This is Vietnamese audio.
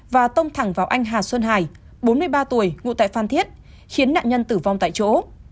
và tông thẳng vào anh hà xuân hải bốn mươi ba tuổi ngụ tại phan thiết khiến nạn nhân tử vong tại chỗ